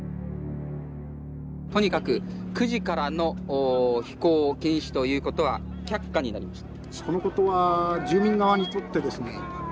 とにかく９時からの飛行禁止ということは却下になりました。